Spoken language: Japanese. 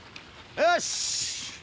よし！